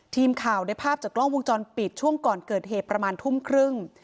ทีมข่าวได้ภาพจากกล้องวงจรปิดช่วงก่อนเกิดเหตุประมาณทุ่มครึ่ง